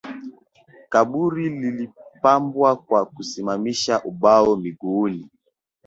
Kaburi lilipambwa kwa kusimamisha ubao mguuni